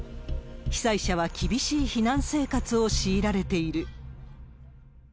被災者は厳しい避難生活を強いられている。